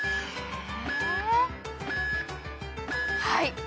はい。